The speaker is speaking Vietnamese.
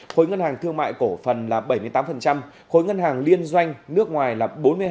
khối ngân hàng thương mại cổ phần là bảy mươi tám khối ngân hàng liên doanh nước ngoài là bốn mươi hai